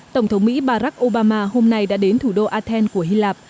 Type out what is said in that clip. tổng thống mỹ barack obama hôm nay đã đến thủ đô athens của hy lạp